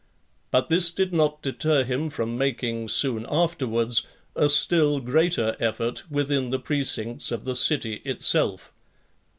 But this did not deter him from making, soon afterwards, a still greater effort within the precincts of the city itself.